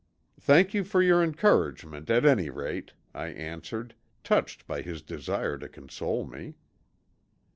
"Thank you for your encouragement at any rate," I answered, touched by his desire to console me.